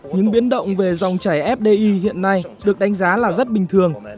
những biến động về dòng chảy fdi hiện nay được đánh giá là rất bình thường